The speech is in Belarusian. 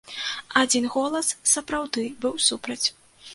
Адзін голас, сапраўды, быў супраць.